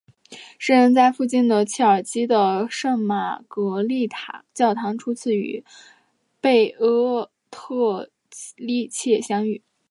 诗人在附近的切尔基的圣玛格丽塔教堂初次与贝阿特丽切相遇。